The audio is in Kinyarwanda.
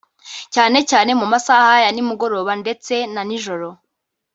cyane cyane mu masaha ya nimugoroba ndetse na nijoro